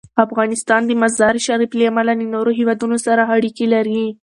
افغانستان د مزارشریف له امله له نورو هېوادونو سره اړیکې لري.